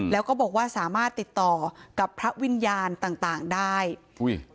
แล้วก็บอกว่าสามารถติดต่อกับพระวิญญาณต่างต่างได้อุ้ย